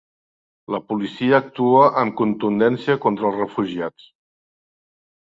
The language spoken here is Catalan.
La policia actua amb contundència contra els refugiats